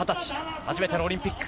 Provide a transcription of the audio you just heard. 初めてのオリンピック。